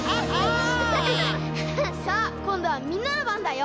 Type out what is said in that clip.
さあこんどはみんなのばんだよ！